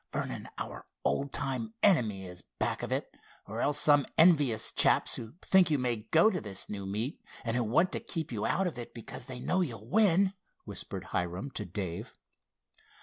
"Vernon, our old time enemy is back of it, or else some envious chaps who think you may go to this new meet, and who want to keep you out of it because they know you'll win," whispered Hiram to Dave.